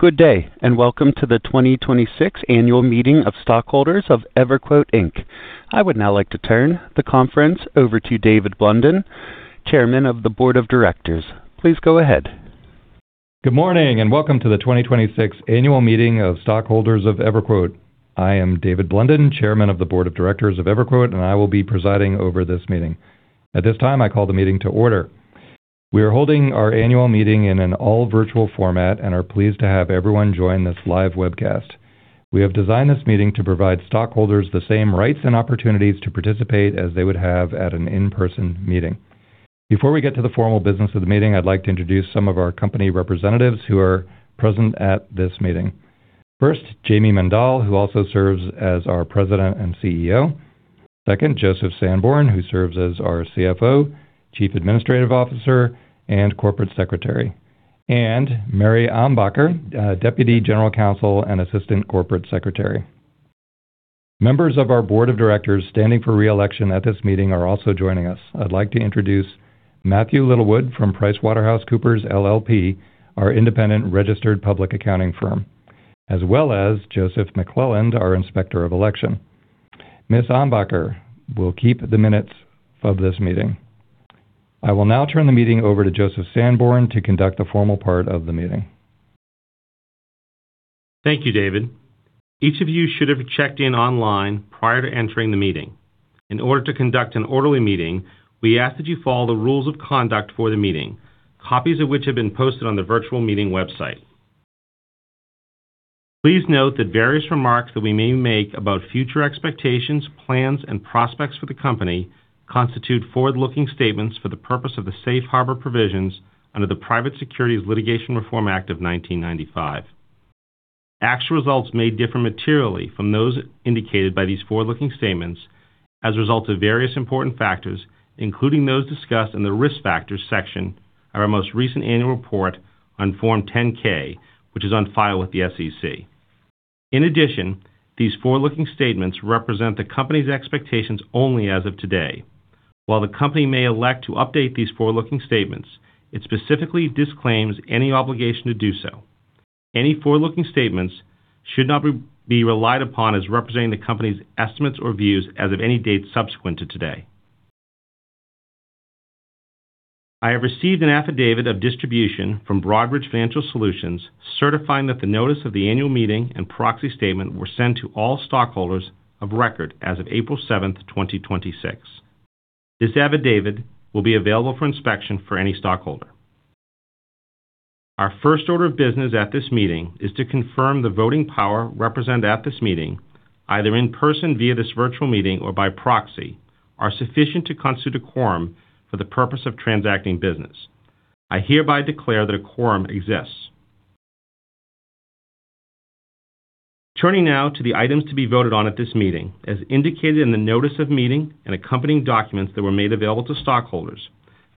Good day, welcome to the 2026 Annual Meeting of Stockholders of EverQuote, Inc. I would now like to turn the conference over to David Blundin, Chairman of the Board of Directors. Please go ahead. Good morning, welcome to the 2026 Annual Meeting of Stockholders of EverQuote. I am David Blundin, Chairman of the Board of Directors of EverQuote, and I will be presiding over this meeting. At this time, I call the meeting to order. We are holding our annual meeting in an all-virtual format and are pleased to have everyone join this live webcast. We have designed this meeting to provide stockholders the same rights and opportunities to participate as they would have at an in-person meeting. Before we get to the formal business of the meeting, I'd like to introduce some of our company representatives who are present at this meeting. First, Jayme Mendal, who also serves as our President and CEO. Second, Joseph Sanborn, who serves as our CFO, Chief Administrative Officer, and Corporate Secretary. And, Mary Ambacher, Deputy General Counsel and Assistant Corporate Secretary. Members of our Board of Directors standing for re-election at this meeting are also joining us. I'd like to introduce Matthew Littlewood from PricewaterhouseCoopers LLP, our independent registered public accounting firm, as well as Joseph McClelland, our Inspector of Election. Ms. Ambacher will keep the minutes of this meeting. I will now turn the meeting over to Joseph Sanborn to conduct the formal part of the meeting. Thank you, David. Each of you should have checked in online prior to entering the meeting. In order to conduct an orderly meeting, we ask that you follow the rules of conduct for the meeting, copies of which have been posted on the virtual meeting website. Please note that various remarks that we may make about future expectations, plans, and prospects for the company constitute forward-looking statements for the purpose of the safe harbor provisions under the Private Securities Litigation Reform Act of 1995. Actual results may differ materially from those indicated by these forward-looking statements as a result of various important factors, including those discussed in the Risk Factors section of our most recent annual report on Form 10-K, which is on file with the SEC. In addition, these forward-looking statements represent the company's expectations only as of today. While the company may elect to update these forward-looking statements, it specifically disclaims any obligation to do so. Any forward-looking statements should not be relied upon as representing the company's estimates or views as of any date subsequent to today. I have received an Affidavit of Distribution from Broadridge Financial Solutions certifying that the notice of the annual meeting and proxy statement were sent to all stockholders of record as of April 7th, 2026. This affidavit will be available for inspection for any stockholder. Our first order of business at this meeting is to confirm the voting power represented at this meeting, either in person via this virtual meeting or by proxy, are sufficient to constitute a quorum for the purpose of transacting business. I hereby declare that a quorum exists. Turning now to the items to be voted on at this meeting. As indicated in the notice of meeting and accompanying documents that were made available to stockholders,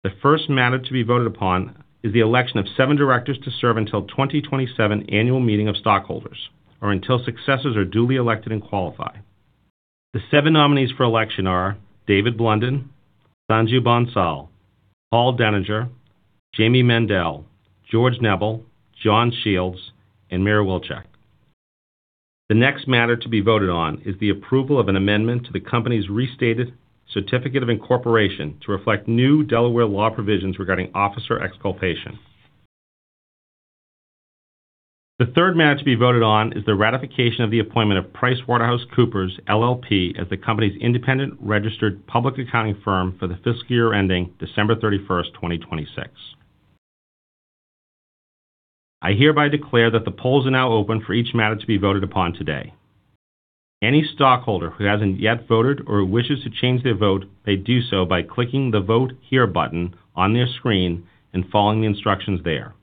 the first matter to be voted upon is the election of seven directors to serve until 2027 Annual Meeting of Stockholders or until successors are duly elected and qualify. The seven nominees for election are David Blundin, Sanju Bansal, Paul Deninger, Jayme Mendal, George Neble, John Shields, and Mira Wilczek. The next matter to be voted on is the approval of an amendment to the company's Restated Certificate of Incorporation to reflect new Delaware law provisions regarding officer exculpation. The third matter to be voted on is the ratification of the appointment of PricewaterhouseCoopers LLP as the company's independent registered public accounting firm for the fiscal year ending December 31st, 2026. I hereby declare that the polls are now open for each matter to be voted upon today. Any stockholder who hasn't yet voted or who wishes to change their vote may do so by clicking the vote here button on their screen and following the instructions there.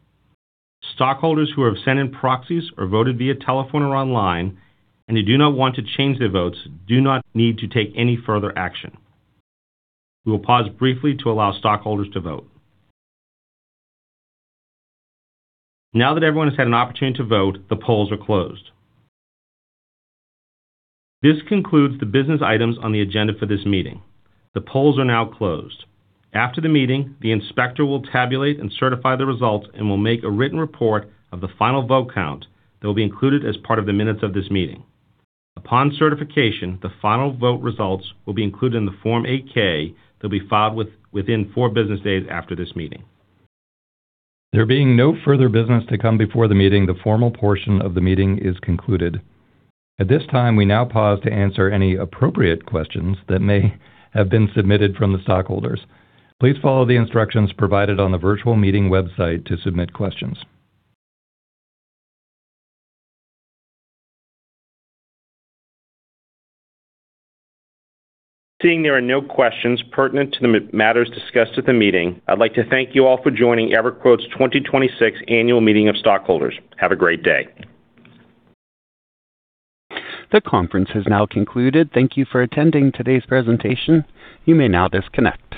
Stockholders who have sent in proxies or voted via telephone or online and who do not want to change their votes do not need to take any further action. We will pause briefly to allow stockholders to vote. Now that everyone has had an opportunity to vote, the polls are closed. This concludes the business items on the agenda for this meeting. The polls are now closed. After the meeting, the inspector will tabulate and certify the results and will make a written report of the final vote count that will be included as part of the minutes of this meeting. Upon certification, the final vote results will be included in the Form 8-K that will be filed within four business days after this meeting. There being no further business to come before the meeting, the formal portion of the meeting is concluded. At this time, we now pause to answer any appropriate questions that may have been submitted from the stockholders. Please follow the instructions provided on the virtual meeting website to submit questions. Seeing there are no questions pertinent to the matters discussed at the meeting, I'd like to thank you all for joining EverQuote's 2026 Annual Meeting of Stockholders. Have a great day. The conference has now concluded. Thank you for attending today's presentation. You may now disconnect.